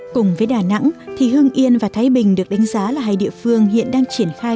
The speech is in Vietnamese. cùng với đà nẵng thì hương yên và thái bình được đánh giá là hai địa phương hiện đang triển khai